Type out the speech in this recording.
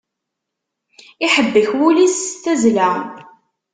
Iḥebbek wul-is s tazla.